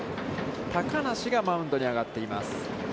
高梨がマウンドに上がっています。